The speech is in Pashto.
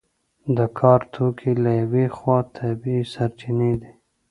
د کار توکي له یوې خوا طبیعي سرچینې دي.